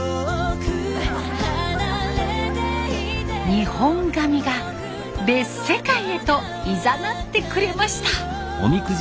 日本髪が別世界へといざなってくれました。